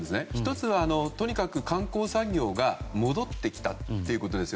１つは、とにかく観光産業が戻ってきたということです。